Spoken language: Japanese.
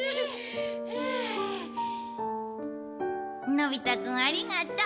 のび太君、ありがとう。